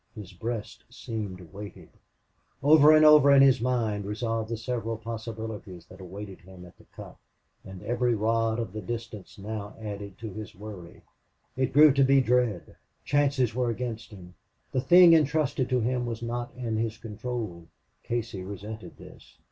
His breast seemed weighted. Over and over in his mind revolved the several possibilities that awaited him at the cut, and every rod of the distance now added to his worry. It grew to be dread. Chances were against him. The thing intrusted to him was not in his control. Casey resented this.